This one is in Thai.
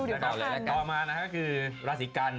ต่อมานะครับก็คือราศีกัน